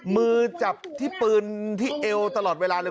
มือจับที่ปืนที่เอวตลอดเวลาเลย